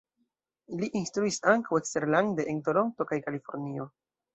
Li instruis ankaŭ eksterlande en Toronto kaj Kalifornio.